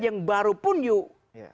yang baru pun yuk